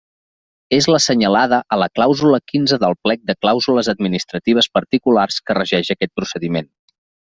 És l'assenyalada a la clàusula quinze del plec de clàusules administratives particulars que regeix aquest procediment.